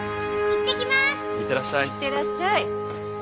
行ってらっしゃい。